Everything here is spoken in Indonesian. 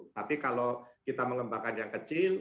tapi kalau kita mengembangkan yang kecil